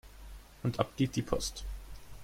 Und ab geht die Post